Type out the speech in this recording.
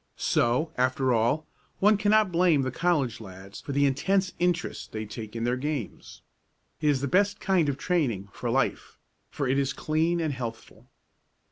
So, after all, one can not blame the college lads for the intense interest they take in their games. It is the best kind of training for life, for it is clean and healthful.